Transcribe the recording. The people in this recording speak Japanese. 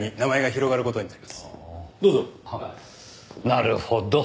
なるほど。